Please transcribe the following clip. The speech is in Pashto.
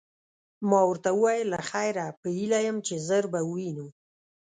ما ورته وویل: له خیره، په هیله یم چي ژر به ووینو.